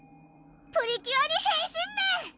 プリキュアに変身メン！